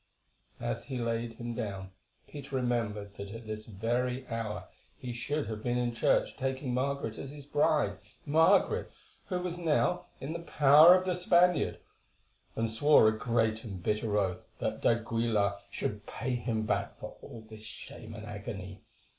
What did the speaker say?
As he laid him down Peter remembered that at this very hour he should have been in church taking Margaret as his bride—Margaret, who was now in the power of the Spaniard—and swore a great and bitter oath that d'Aguilar should pay him back for all this shame and agony.